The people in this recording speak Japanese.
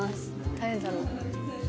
誰だろう？